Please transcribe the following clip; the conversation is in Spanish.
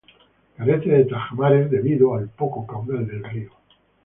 Carece de tajamares debido al poco caudal del río.